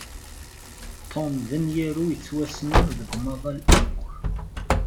Tom d amyaru yettwassnen deg umaḍal akk.